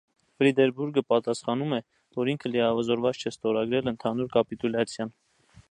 Ֆրիդերբուրգը պատասխանում է, որ ինքը լիազորված չէ ստորագրել ընդհանուր կապիտուլյացիան։